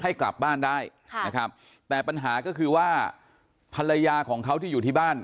ให้กลับบ้านได้ค่ะนะครับแต่ปัญหาก็คือว่าภรรยาของเขาที่อยู่ที่บ้าน